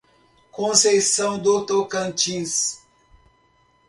Conceição do Tocantins